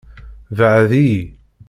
Beɛɛed-iyi.